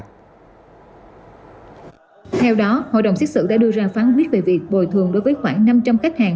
theo đó hội đồng xét xử đã đưa ra phán quyết về việc bồi thường đối với khoảng năm trăm linh khách hàng